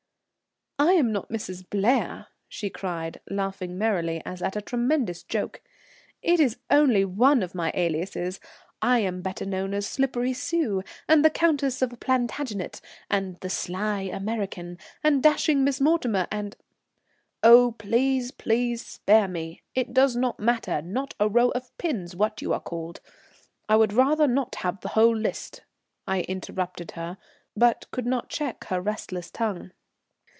"I am not 'Mrs. Blair,'" she cried, laughing merrily as at a tremendous joke. "It is only one of my aliases. I am better known as Slippery Sue, and the Countess of Plantagenet, and the Sly American, and dashing Mrs. Mortimer, and " "Oh, please, please spare me. It does not matter, not a row of pins, what you are called. I would rather not have the whole list," I interrupted her, but could not check her restless tongue.